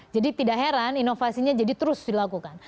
jadi tidak heran inovasinya jadi terus dilakukan